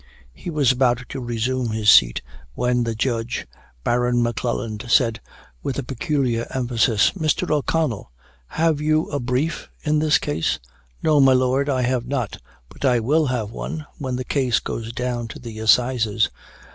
He was about to resume his seat, when the judge, Baron M'Cleland, said, with a peculiar emphasis, "Mr. O'Connell, have you a brief in this case?" "No, my lord, I have not; but I will have one, when the case goes down to the Assizes."